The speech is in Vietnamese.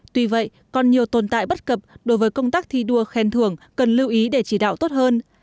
tuy vậy còn nhiều tồn tại bất cập đối với công tác thi đua khen thưởng cần lưu ý để chỉ đạo tốt hơn